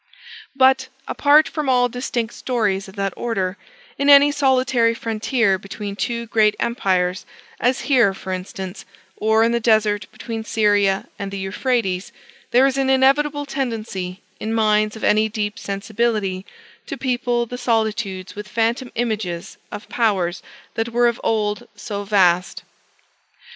But, apart from all distinct stories of that order, in any solitary frontier between two great empires, as here, for instance, or in the desert between Syria and the Euphrates, there is an inevitable tendency, in minds of any deep sensibility to people the solitudes with phantom images of powers that were of old so vast.